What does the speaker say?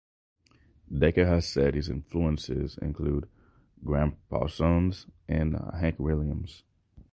Dekker has said his influences include Gram Parsons and Hank Williams.